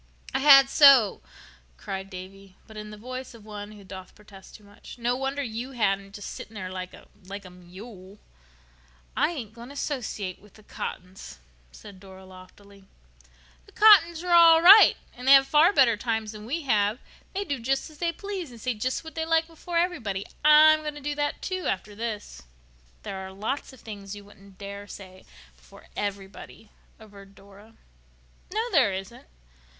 "I had so," cried Davy, but in the voice of one who doth protest too much. "No wonder you hadn't—just sitting there like a—like a mule." "I ain't going to, 'sociate with the Cottons," said Dora loftily. "The Cottons are all right," retorted Davy. "And they have far better times than we have. They do just as they please and say just what they like before everybody. I'm going to do that, too, after this." "There are lots of things you wouldn't dare say before everybody," averred Dora. "No, there isn't."